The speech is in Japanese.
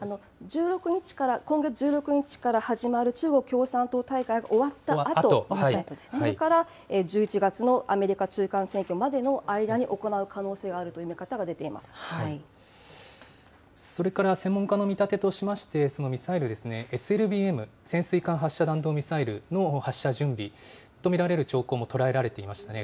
今月１６日から始まる中国共産党大会が終わったあと、そこから１１月のアメリカ中間選挙までの間に行う可能性があるとそれから専門家の見立てとしまして、そのミサイルですね、ＳＬＢＭ・潜水艦発射弾道ミサイルの発射準備と見られる兆候も捉えられていましたね。